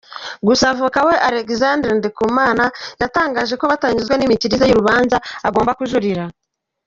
Gusa Avoka we, Alexandre Ndikumana, yatangaje ko batanyuzwe n’imikirize y’urubanza, bagomba kujurira.